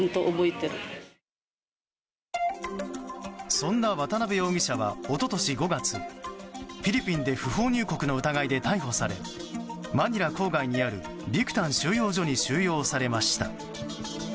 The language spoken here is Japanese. そんな渡邉容疑者は一昨年５月フィリピンで不法入国の疑いで逮捕されマニラ郊外にあるビクタン収容所に収容されました。